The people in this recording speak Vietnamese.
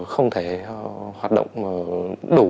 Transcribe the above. không thể hoạt động đủ